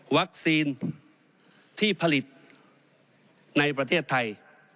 วัคซีนที่ผลิตในประเทศไทย